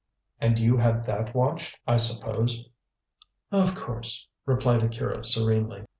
"And you had that watched, I suppose?" "Of course," replied Akira serenely.